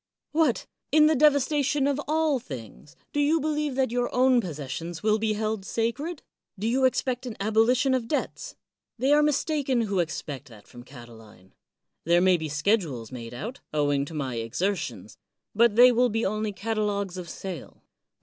What! in the devas tation of all things, do you believe that your o\^ti possessions will be held sacred ? do you expect an abolition of debts? They are mistaken who ex pect that from Catiline. There may be schedules made out, owing to my exertions, but they will be only catalogs of sale.